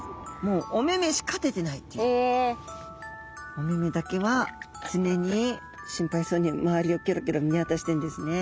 おめめだけは常に心配そうに周りをキョロキョロ見渡してるんですね。